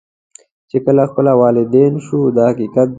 چې کله خپله والدین شو دا حقیقت دی.